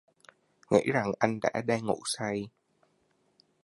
Nghĩ rằng anh đã đang ngủ say